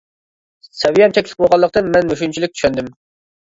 سەۋىيەم چەكلىك بولغانلىقتىن مەن مۇشۇنچىلىك چۈشەندىم.